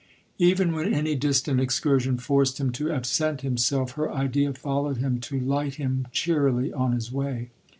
Even when any distant excursion forced him to absent himself, her idea followed him to light him cheerily on his way.